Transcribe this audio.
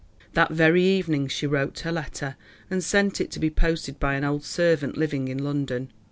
That very evening she wrote her letter and sent it to be posted by an old servant living in London.